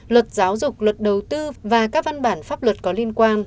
luật giáo dục luật đầu tư và các văn bản pháp luật có liên quan